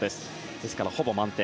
ですから、ほぼ満点。